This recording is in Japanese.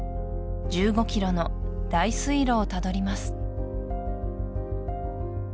１５ｋｍの大水路をたどります